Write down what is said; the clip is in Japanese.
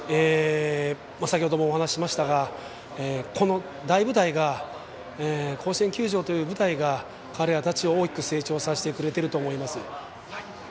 先程もお話しましたがこの大舞台が甲子園球場という舞台が彼らたちを大きく成長させてくれてると思います。